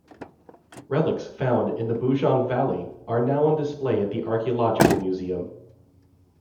Relics found in the Bujang Valley are now on display at the archaeological museum.